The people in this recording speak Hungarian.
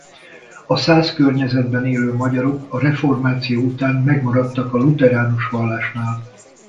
A szász környezetben élő magyarok a reformáció után megmaradtak a lutheránus vallásnál.